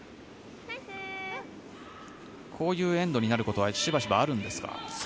こういうエンドになることはしばしばあるんですか？